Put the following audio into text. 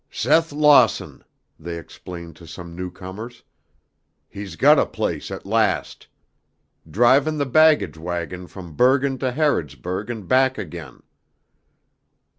"Seth Lawson," they explained to some newcomers. "He's got a place at last. Drivin' the baggage wagon from Burgin to Harrodsburg and back again."